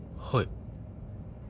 はい。